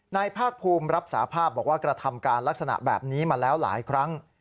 นายภาคภูมิรับสาภาพบอกว่ากระทำการลักษณะแบบนี้มาแล้วหลายครั้ง